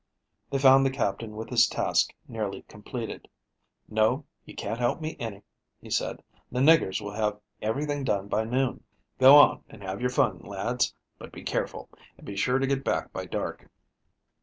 They found the Captain with his task nearly completed. "No, you can't help me any," he said. "The niggers will have everything done by noon. Go on and have your fun, lads, but be careful, and be sure to get back by dark."